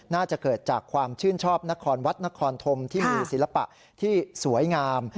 น่าจะเกิดจากความชื่นชอบนครวัดนครธมที่มีศิลปะที่สวยงาม